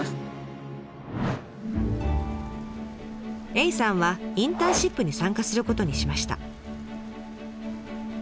エイさんはインターンシップに参加することにしました。